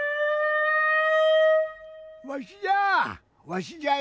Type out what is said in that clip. わしじゃ！